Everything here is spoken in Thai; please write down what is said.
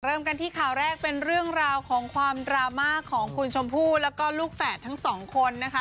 เริ่มกันที่ข่าวแรกเป็นเรื่องราวของความดราม่าของคุณชมพู่แล้วก็ลูกแฝดทั้งสองคนนะคะ